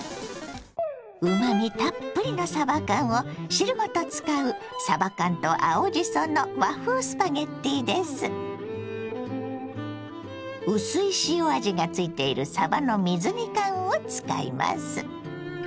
うまみたっぷりのさば缶を汁ごと使う薄い塩味がついているさばの水煮缶を使います。